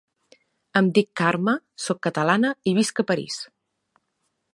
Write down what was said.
Em dic Carme, soc catalana i visc a París.